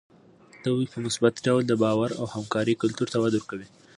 دوی په مثبت ډول د باور او همکارۍ کلتور ته وده ورکوي.